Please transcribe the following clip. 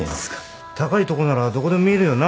高いとこならどこでも見えるよな？